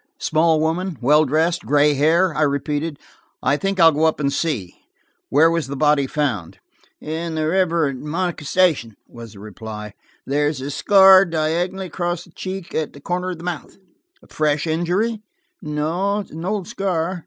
"Small woman, well dressed, gray hair?" I repeated. "I think I'll go up and see. Where was the body found ?" "In the river at Monica Station," was the reply. "There is a scar diagonally across the cheek to the corner of the mouth." "A fresh injury?" "No, an old scar."